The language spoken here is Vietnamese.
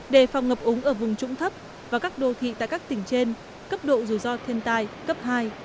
đề phòng ngập úng ở vùng trũng thấp và các đô thị tại các tỉnh trên cấp độ rủi ro thiên tai cấp hai